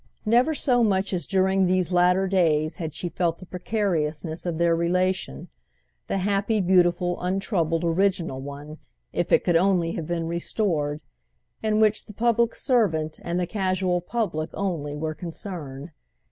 Never so much as during these latter days had she felt the precariousness of their relation—the happy beautiful untroubled original one, if it could only have been restored—in which the public servant and the casual public only were concerned.